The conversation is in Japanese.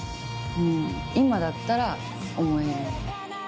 今だったら思える。